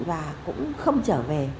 và cũng không trở về